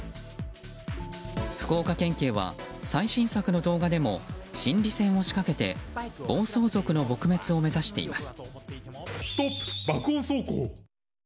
福岡県警は最新作の動画でも心理戦を仕掛けて暴走族の撲滅を目指しています。